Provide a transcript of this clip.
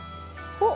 おっ？